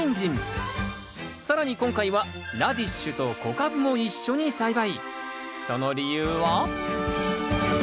更に今回はラディッシュと小カブも一緒に栽培。